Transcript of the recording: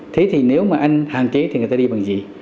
thế thì nếu mà anh hạn chế thì người ta đi bằng gì